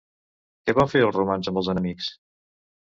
Què van fer els romans amb els enemics?